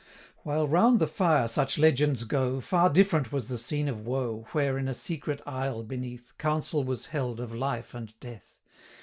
While round the fire such legends go, 310 Far different was the scene of woe, Where, in a secret aisle beneath, Council was held of life and death.